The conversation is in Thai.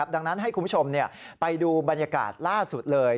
ดังนั้นให้คุณผู้ชมไปดูบรรยากาศล่าสุดเลย